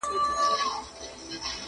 موږ په خټه او په اصل پاچاهان یو٫